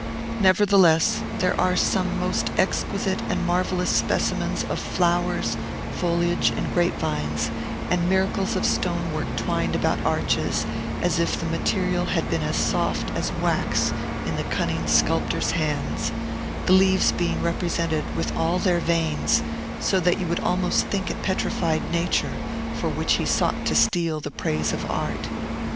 Nevertheless, there are some most exquisite and marvellous specimens of flowers, foliage, and grapevines, and miracles of stone work twined about arches, as if the material had been as soft as wax in the cunning sculptor's hands, the leaves being represented with all their veins, so that you would almost think it petrified Nature, for which he sought to steal the praise of Art.